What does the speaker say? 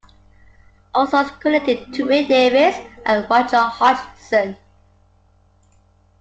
All songs credited to Rick Davies and Roger Hodgson.